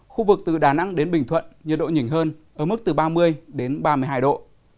khu vực từ đà nẵng đến bình thuận nhiệt độ nhìn hơn ở mức từ ba mươi đến ba mươi hai độ